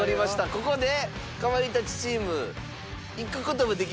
ここでかまいたちチームいく事もできますし。